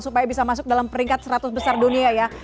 supaya bisa masuk dalam peringkat seratus besar dunia ya